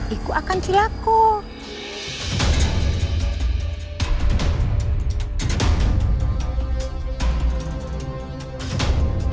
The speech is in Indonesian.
itu akan berhasil